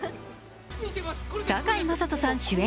堺雅人さん主演